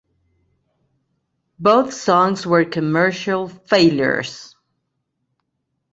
Both songs were commercial failures.